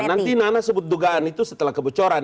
nanti nana sebut dugaan itu setelah kebocoran